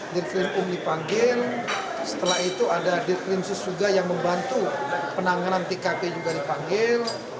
dirkrim um dipanggil setelah itu ada dirkrim susuga yang membantu penanganan tkp juga dipanggil